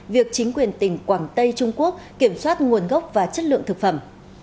việc chính quyền tỉnh quảng tây trung quốc kiểm soát nguồn gốc và chất lượng thực phẩm